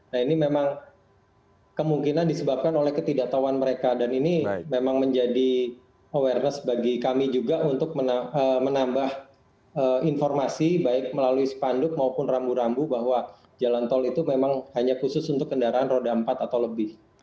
nah ini memang kemungkinan disebabkan oleh ketidaktahuan mereka dan ini memang menjadi awareness bagi kami juga untuk menambah informasi baik melalui spanduk maupun rambu rambu bahwa jalan tol itu memang hanya khusus untuk kendaraan roda empat atau lebih